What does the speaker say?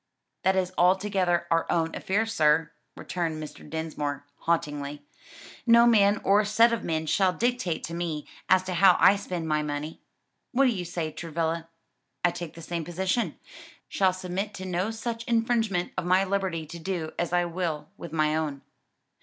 "That is altogether our own affair, sir," returned Mr. Dinsmore, haughtily. "No man or set of men shall dictate to me as to how I spend my money. What do you say, Travilla?" "I take the same position; shall submit to no such infringement of my liberty to do as I will with my own."